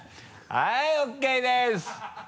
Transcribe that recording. はいＯＫです！